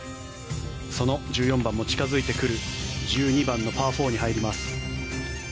その１４番も近付いてくる１２番のパー４に入ります。